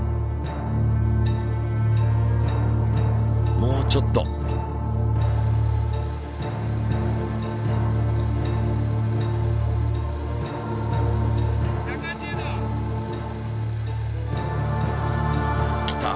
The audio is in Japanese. もうちょっと！きた！